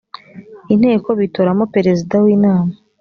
inteko bitoramo perezida w inama